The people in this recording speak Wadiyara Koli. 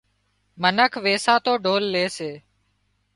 منک ويساتو ڍول لي سي